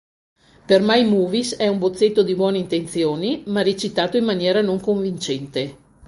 Per MyMovies è un "bozzetto di buone intenzioni, ma recitato in maniera non convincente".